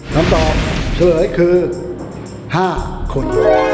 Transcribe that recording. คำตอบตัวละเอียดคือ๕คน